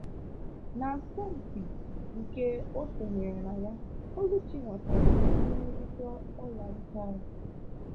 N'asọmpi nke o sonyere na ya, Oluchi nwetara ihe nrite ọla nchara.